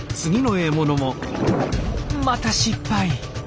また失敗！